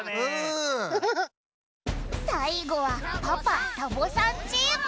さいごはパパ＆サボさんチーム。